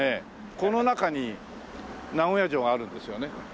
この中に名古屋城があるんですよね？